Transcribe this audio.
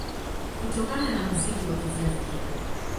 Kutokana na muziki wa kizazi kipya